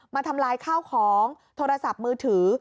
ทำลายข้าวของโทรศัพท์มือถือ